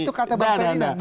itu kata bang fadinan